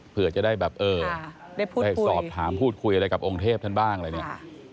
เผื่อจะได้แบบได้สอบถามพูดคุยอะไรกับองค์เทพท่านบ้างอะไรอย่างนี้